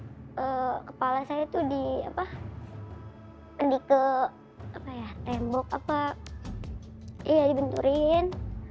saya di kepala saya itu di apa dike apa ya tembok apa iya dibenturin